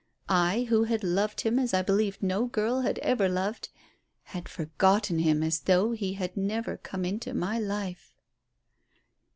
I, who had loved him as I believed no girl had ever loved, had forgotten him as though he had never come into my life."